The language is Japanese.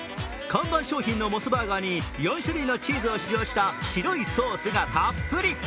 看板商品のモスバーガーに４種類のチーズを使用した白いソースがたっぷり。